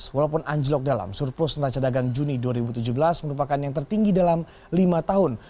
walaupun anjlok dalam surplus neraca dagang juni dua ribu tujuh belas merupakan yang tertinggi dalam lima tahun